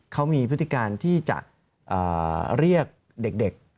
เขามีพฤติการที่จะเรียกเด็ก